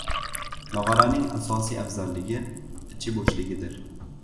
Nog‘oraning asosiy afzalligi — ichi bo‘shligidir.